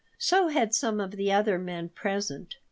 So had some of the other men present.